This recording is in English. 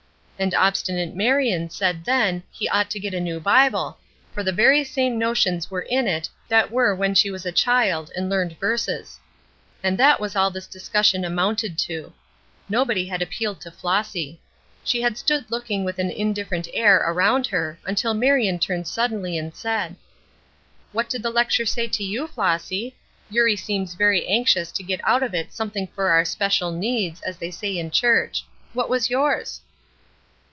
And obstinate Marion said then he ought to get a new Bible, for the very same notions were in it that were when she was a child and learned verses. And that was all that this discussion amounted to. Nobody had appealed to Flossy. She had stood looking with an indifferent air around her, until Marion turned suddenly and said: "What did the lecture say to you, Flossy? Eurie seems very anxious to get out of it something for our 'special needs,' as they say in church. What was yours?"